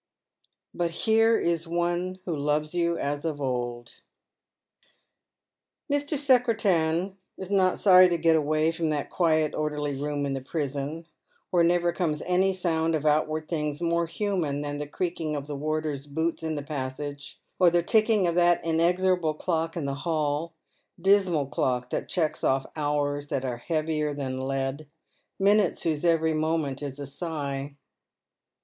BUT HERE IS ONE WHO LOVES YOU AS OF OLD." Mr. Secretan is not sony to get away from that quiet orderly room in the prison, where never comes any sound of outward things more human than the creaking of the warder's boots ii: the passage, or the ticking of that inexorable clock in the hall — dismal clock that checks off hours that are heavier than lead, minutes whose every moment is a sigh.